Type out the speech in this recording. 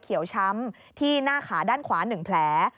เขียวช้ำที่หน้าขาด้านขวา๑แผล